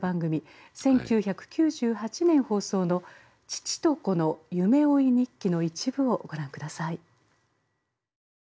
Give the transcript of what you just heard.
１９９８年放送の「父と子の夢追い日記」の一部をご覧下さい。